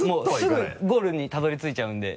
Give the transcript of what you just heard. すぐゴールにたどり着いちゃうんで。